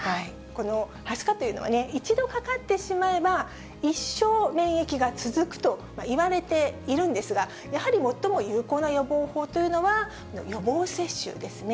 これ、はしかっていうのは、一度かかってしまえば、一生、免疫が続くといわれているんですが、やはり最も有効な予防法というのは、予防接種ですね。